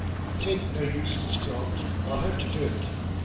"'Taint no use, Miss Grant; I'll have to do it.